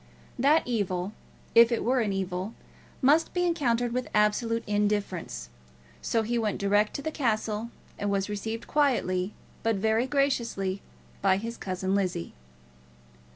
That evil, if it were an evil, must be encountered with absolute indifference. So he went direct to the castle, and was received quietly, but very graciously, by his cousin Lizzie.